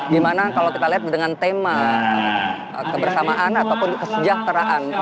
dimana kalau kita lihat dengan tema kebersamaan ataupun kesejahteraan